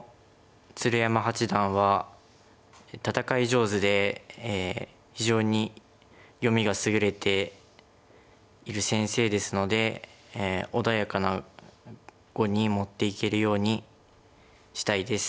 上手で非常に読みが優れている先生ですので穏やかな碁に持っていけるようにしたいです。